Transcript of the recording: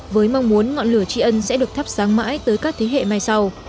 với mong muốn ngọn lửa tri ân sẽ được thắp sáng mãi tới các thế hệ mai sau